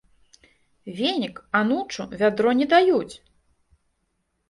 Венік, анучу, вядро не даюць!